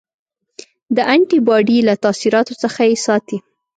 د انټي باډي له تاثیراتو څخه یې ساتي.